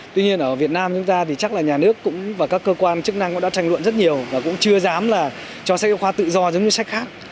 tuy nhiên ở việt nam chúng ta thì chắc là nhà nước cũng và các cơ quan chức năng cũng đã tranh luận rất nhiều và cũng chưa dám là cho sách giáo khoa tự do giống như sách khác